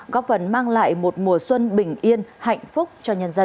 góp phần mang lại một mùa xuân bình yên hạnh phúc cho nhân dân